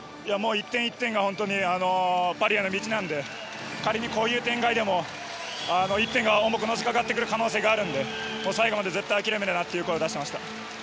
１点１点が本当にパリへの道なので仮にこういう展開でも１点が重くのしかかってくる可能性があるので最後まで諦めるなと声を出しました。